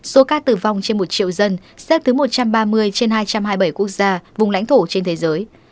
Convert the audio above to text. số ca tử vong trên một triệu dân xếp thứ một trăm ba mươi trên hai trăm hai mươi bảy quốc gia vùng lãnh thổ trên thế giới